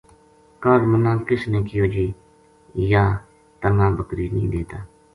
کاہڈ منا کِس نے کہیو جے یہ تنّا بکری نہیہ دیتا